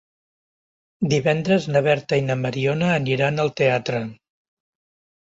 Divendres na Berta i na Mariona aniran al teatre.